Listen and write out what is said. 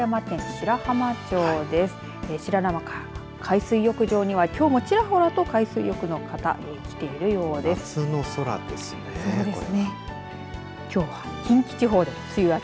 白浜海水浴場にはきょうは、ちらほらと海水浴場の方がきているようです。